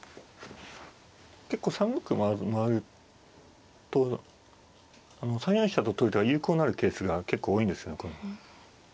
結構３六回ると３四飛車と取る手が有効になるケースが結構多いんですよね。